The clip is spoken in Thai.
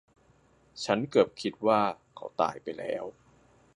ฉันเกือบคิดว่าเขาตายไปแล้ว